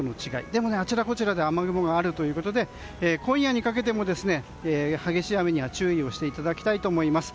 でも、あちらこちらで雨雲があるということで今夜にかけても激しい雨には注意していただきたいと思います。